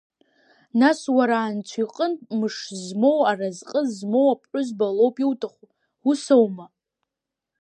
Нас уара анцәа иҟынтә мыш змоу аразҟы змоу аԥҳәызба лоуп иуҭаху, ус аума?